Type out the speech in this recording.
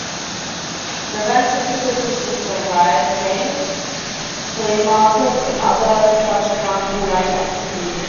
The event typically consists of rides, games, flea market and other such carnival-like activities.